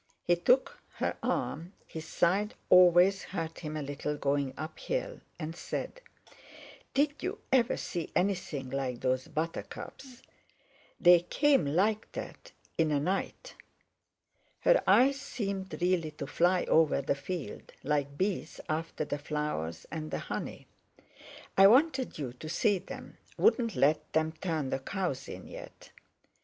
He took her arm—his side always hurt him a little going uphill—and said: "Did you ever see anything like those buttercups? They came like that in a night." Her eyes seemed really to fly over the field, like bees after the flowers and the honey. "I wanted you to see them—wouldn't let them turn the cows in yet."